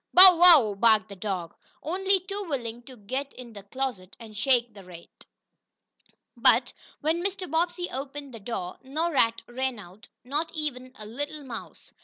"Bow wow!" barked the dog, only too willing to get in the closet and shake the rat. But, when Mr. Bobbsey opened the door, no rat ran out, not even a little mouse.